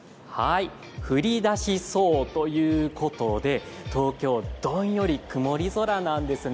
降りだしそうということで、東京、どんより曇り空なんですね。